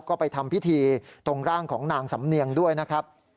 ก็ไปทำพิธีตรงร่างของนางสำเนียงด้วยนะครับ